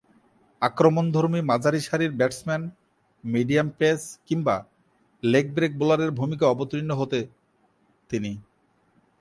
আক্রমণধর্মী মাঝারিসারির batsman, medium pace কিংবা leg break বোলারের ভূমিকায় অবতীর্ণ হতে তিনি।